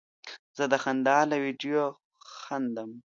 زه د خندا له ویډیو خندم.